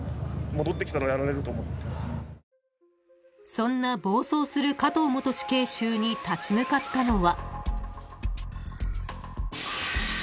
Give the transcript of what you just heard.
［そんな暴走する加藤元死刑囚に立ち向かったのは］